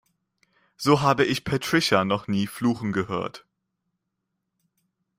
So habe ich Patricia noch nie fluchen gehört.